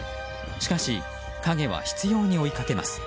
しかし影は執拗に追いかけます。